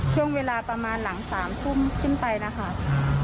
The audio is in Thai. ช่วงเวลาประมาณหลัง๓ทุ่มขึ้นไปนะคะ